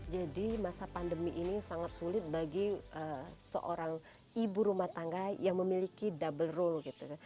jadi masa pandemi ini sangat sulit bagi seorang ibu rumah tangga yang memiliki double role